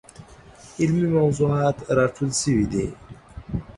علمي موضوعات راټول شوي دي.